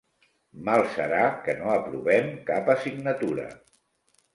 Mal serà que no aprovem cap assignatura.